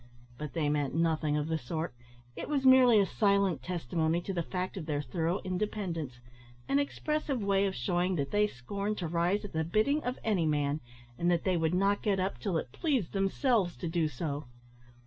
But they meant nothing of the sort; it was merely a silent testimony to the fact of their thorough independence an expressive way of shewing that they scorned to rise at the bidding of any man, and that they would not get up till it pleased themselves to do so.